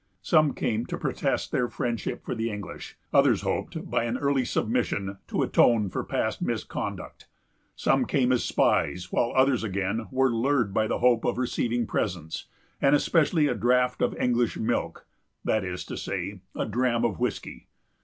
Some came to protest their friendship for the English; others hoped, by an early submission, to atone for past misconduct. Some came as spies; while others, again, were lured by the hope of receiving presents, and especially a draught of English milk, that is to say, a dram of whiskey.